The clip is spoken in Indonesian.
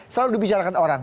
selalu dibicarakan orang